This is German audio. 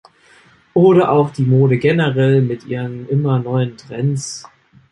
Oder auch die Mode generell, mit ihren immer neuen Trends.